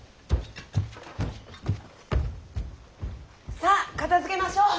さあ片づけましょう。